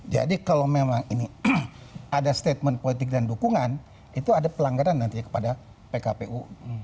jadi kalau memang ini ada statement politik dan dukungan itu ada pelanggaran nanti kepada pkpu dua puluh tiga dua ribu delapan belas